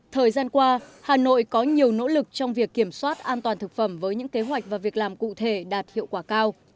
thời gian qua hà nội có nhiều nỗ lực trong việc kiểm soát an toàn thực phẩm với những kế hoạch và việc làm cụ thể đạt hiệu quả cao